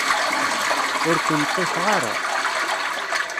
Ur ken-ḍḍifeɣ ara.